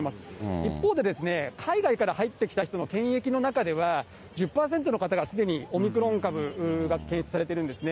一方で、海外から入ってきた人の検疫の中では、１０％の方がすでに、オミクロン株が検出されてるんですね。